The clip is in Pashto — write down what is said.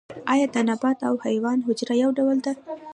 ایا د نبات او حیوان حجره یو ډول ده